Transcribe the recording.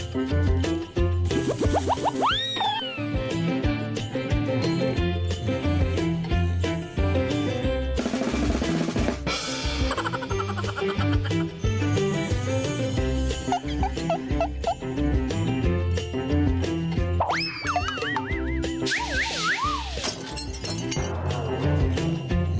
พวกน้องหมาหาถ่ายงาน